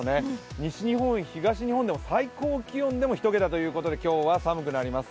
西日本、東日本でも最高気温でも１桁と今日は寒くなります。